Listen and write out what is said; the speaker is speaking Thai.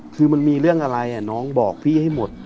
คือมันมีเรื่องอะไรน้องบอกพี่ให้หมด